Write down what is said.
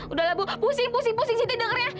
udah lah bu pusing pusing siti denger ya